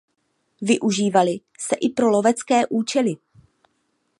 Využívali se i pro lovecké účely.